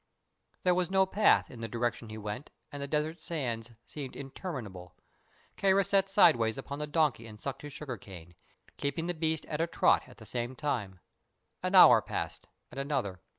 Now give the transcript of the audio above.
There was no path in the direction he went and the desert sands seemed interminable. Kāra sat sidewise upon the donkey and sucked his sugar cane, keeping the beast at a trot at the same time. An hour passed, and another.